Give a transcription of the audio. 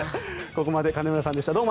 ここまで金村さんでした。